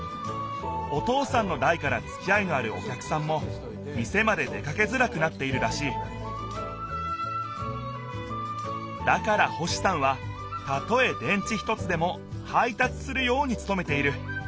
お父さんのだいからつきあいのあるお客さんも店まで出かけづらくなっているらしいだから星さんはたとえ電池一つでも配達するようにつとめている。